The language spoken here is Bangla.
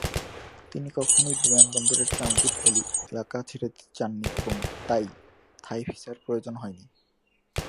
তিনি কখনোই বিমানবন্দরের ট্রানজিট এলাকা ছেড়ে যেতে চাননি এবং তাই থাই ভিসার প্রয়োজন হয়নি।